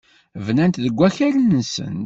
Bnant deg wakal-nsent.